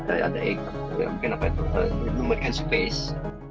ada ikon mungkin apa itu memberikan space